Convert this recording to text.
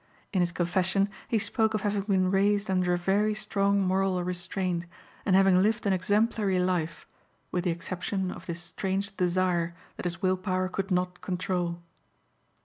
In his confession he spoke of having been raised under a very strong moral restraint and having lived an exemplary life, with the exception of this strange desire that his will power could not control.